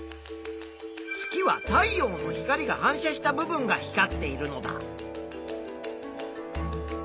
月は太陽の光が反射した部分が光っているのだ。